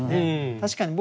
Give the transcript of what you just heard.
確かに僕